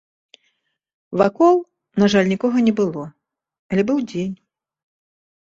Вакол, на жаль, нікога не было, але быў дзень.